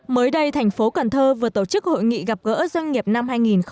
mới đây thành phố cần thơ vừa tổ chức hội nghị gặp gỡ doanh nghiệp năm hai nghìn một mươi chín